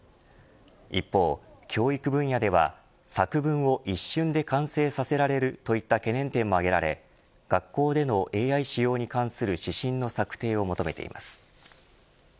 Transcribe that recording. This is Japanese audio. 一方、教育分野では作文を一瞬で完成させられるといった懸念点も挙げられ学校でのＡＩ使用に関する指針の策定を求めています。